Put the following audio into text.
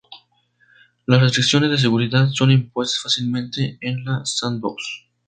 Las restricciones de seguridad son impuestas fácilmente en la sandbox.